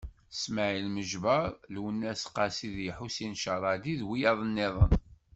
Smaɛil Meǧber, Lwennas Qasi d Ḥusin Cerradi d wiyaḍ-nniḍen.